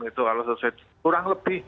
itu kalau sesuai kurang lebih